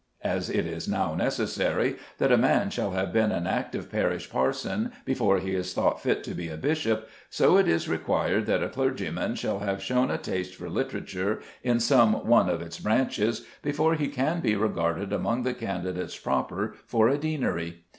As it is now necessary that a man shall have been an active parish parson before he is thought fit to be a bishop, so it is required that a clergyman shall have shown a taste for literature in some one of its branches before he can be regarded among the candidates proper for a deanery.